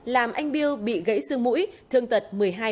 làm anh biêu bị gãy xương mũi thương tật một mươi hai